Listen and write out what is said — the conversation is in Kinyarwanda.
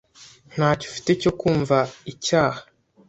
Ntacyo ufite cyo kumva icyaha.